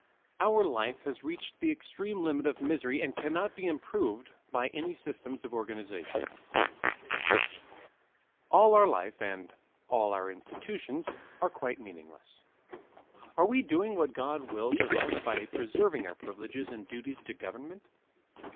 Our Life has Reached the Extreme Limit of Misery and Cannot be Improved by any Systems of Organization All our Life and all our Institutions are Quite Meaningless Are we Doing what God Wills of us by Preserving our Privileges and Duties to Government?